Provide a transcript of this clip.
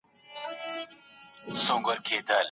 د ډنډ ترڅنګ د ږدن او مڼې ځای ړنګ نه سو.